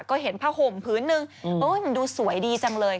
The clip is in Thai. ก็เห็นผ้าห่มพื้นนึงมันดูสวยดีจังเลย